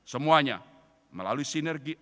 semuanya melalui sinergi